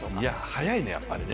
速いね、やっぱりね。